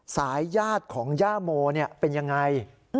ญาติของย่าโมเป็นยังไง